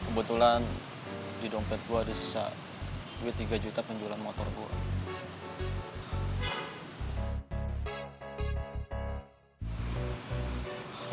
kebetulan di dompet gue di sisa duit tiga juta penjualan motor gue